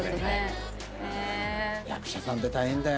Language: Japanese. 役者さんって大変だよ。